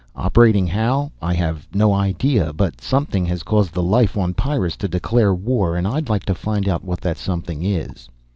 Operating how I have no idea. But something has caused the life on Pyrrus to declare war, and I'd like to find out what that something is.